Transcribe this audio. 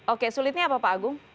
oke sulitnya apa pak agung